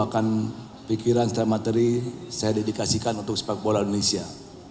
dan pikiran setelah materi saya dedikasikan untuk sepak bola indonesia